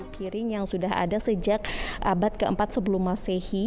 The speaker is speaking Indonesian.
piring yang sudah ada sejak abad keempat sebelum masehi